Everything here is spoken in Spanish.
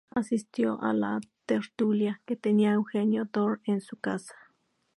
Asistió a la tertulia que tenía Eugenio Dor en su casa.